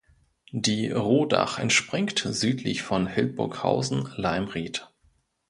Die Rodach entspringt südlich von Hildburghausen-Leimrieth.